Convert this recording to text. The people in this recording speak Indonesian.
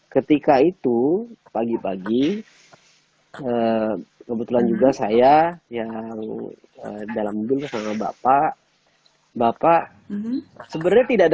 ketika itu pagi pagi kebetulan juga saya yang dalam mobil sama bapak bapak sebenarnya tidak ada